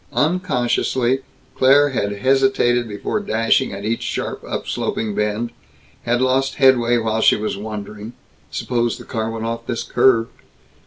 Unconsciously Claire had hesitated before dashing at each sharp upsloping bend; had lost headway while she was wondering, "Suppose the car went off this curve?"